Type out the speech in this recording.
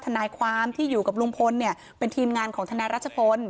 ทนายความที่อยู่กับลุงพลเนี่ยเป็นทีมงานของทนายรัชพล